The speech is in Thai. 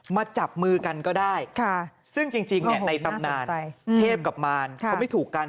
จับมือกันก็ได้ซึ่งจริงในตำนานเทพกับมารเขาไม่ถูกกัน